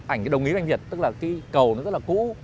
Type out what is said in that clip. ảnh cái đồng ý với anh việt tức là cái cầu nó rất là cũ